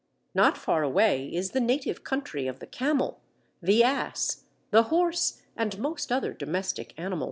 Not far away is the native country of the camel, the ass, the horse, and most other domestic animals.